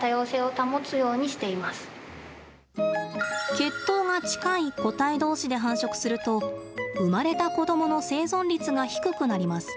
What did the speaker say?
血統が近い個体同士で繁殖すると生まれた子どもの生存率が低くなります。